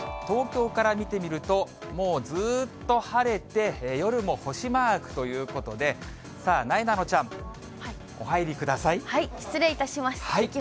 東京から見てみると、もうずっと晴れて、夜も星マークということで、さあ、なえなのちゃん、失礼いたします。